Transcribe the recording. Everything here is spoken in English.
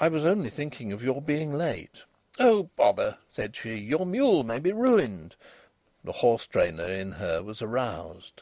"I was only thinking of your being late." "Oh, bother!" said she. "Your mule may be ruined." The horse trainer in her was aroused.